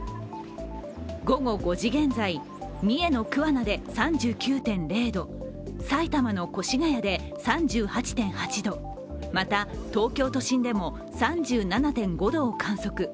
午後５時現在、三重の桑名で３９．０度、埼玉の越谷で３８．８度、また、東京都心でも３７．５度を観測。